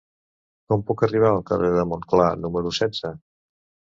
Com puc arribar al carrer de Montclar número setze?